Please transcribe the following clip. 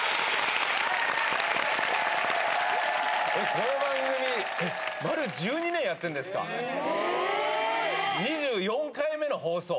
この番組、丸１２年やってるんですか、２４回目の放送。